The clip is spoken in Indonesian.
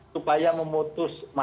supaya memutus mata rantai ketiga